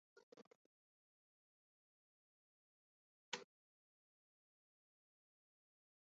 Oshiqona-oshiqona qadamlar bosib, ko‘nglini ovlabman.